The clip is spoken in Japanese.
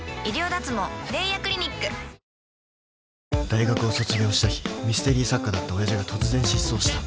［大学を卒業した日ミステリー作家だった親父が突然失踪した］